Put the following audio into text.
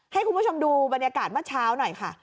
ให้คุณผู้ชมดูบรรยากาศเมื่อเช้าหน่อยค่ะ